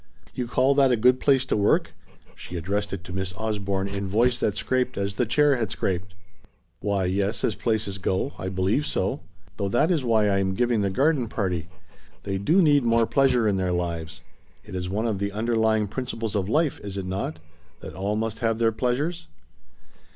"You call that a good place to work?" She addressed it to Miss Osborne in voice that scraped as the chair had scraped. "Why yes, as places go, I believe so. Though that is why I am giving the garden party. They do need more pleasure in their lives. It is one of the under lying principles of life is it not? that all must have their pleasures."